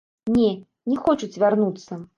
Не, не хочуць вярнуцца.